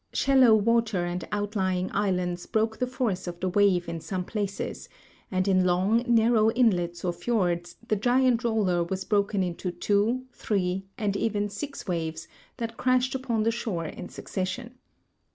Shallow water and outl}dng islands broke the force of the wave in some places, and in long, narrow inlets or fiords the giant roller was broken into two, three, and even six waves, that crashed upon the shore in succession.